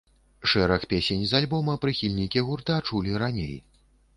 Шэраг песень з альбома прыхільнікі гурта чулі раней.